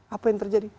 apa yang terjadi